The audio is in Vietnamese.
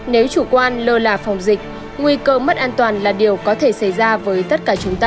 nếu chủ quan lơ là phòng dịch nguy cơ mất an toàn là điều có thể xảy ra với tất cả chúng ta